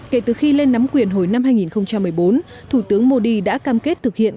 kể từ khi lên nắm quyền hồi năm hai nghìn một mươi bốn thủ tướng modi đã cam kết thực hiện